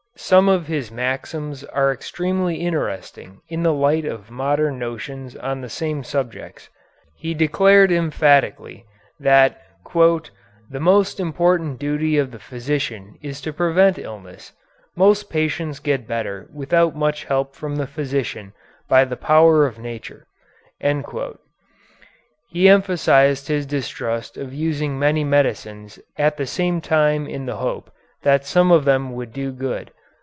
Some of his maxims are extremely interesting in the light of modern notions on the same subjects. He declared emphatically that "the most important duty of the physician is to prevent illness." "Most patients get better without much help from the physician by the power of nature." He emphasized his distrust of using many medicines at the same time in the hope that some of them would do good.